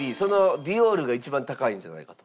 ディオールが一番高いんじゃないかと？